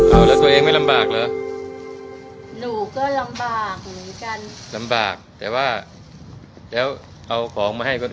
เอาแล้วตัวเองไม่ลำบากเหรอหนูก็ลำบากเหมือนกันลำบากแต่ว่าแล้วเอาของมาให้เขา